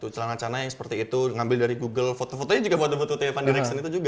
celana celana yang seperti itu ngambil dari google foto fotonya juga one direction itu juga